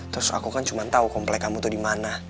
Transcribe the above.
terus aku kan cuma tau komplek kamu tuh dimana